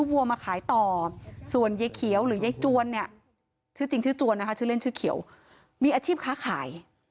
ใจม้าให้พ่อแม่ถ้าพ่อแม่คือชันต้นนะลูกน้ำก็ห้าม